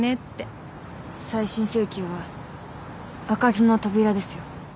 再審請求は開かずの扉ですよ。